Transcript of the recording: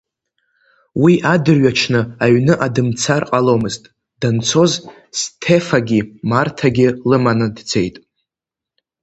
Уи адырҩаҽны аҩныҟа дымцар ҟаломызт, данцоз, Стефагьы Марҭагьы лыманы дцеит.